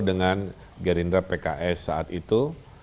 dengan gerindra pks saat itu